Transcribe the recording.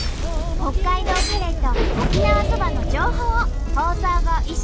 北海道カレーと沖縄そばの情報を放送後１週間配信中！